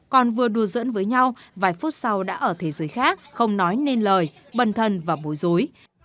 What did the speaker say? còn vừa đùa dẫn với nhau vài phút sau đã ở thế giới khác không nói nên lời bần thân và bối rối